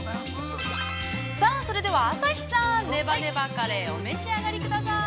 ◆さあ、それでは朝日さん、ねばねばカレー、お召し上がり下さい。